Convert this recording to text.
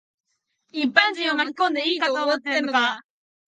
一般人を巻き込んでいいと思ってんのか。